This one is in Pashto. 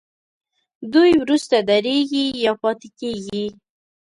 دوی وروسته درېږي یا پاتې کیږي.